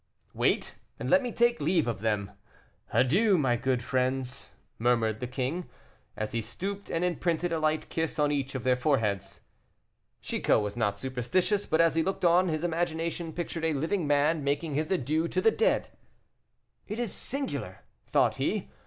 "Wait, and let me take leave of them. Adieu, my good friends," murmured the king, as he stooped and imprinted a light kiss on each of their foreheads. Chicot was not superstitious, but as he looked on, his imagination pictured a living man making his adieux to the dead. "It is singular," thought he.